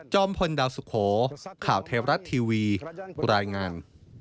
พลดาวสุโขข่าวเทวรัฐทีวีรายงาน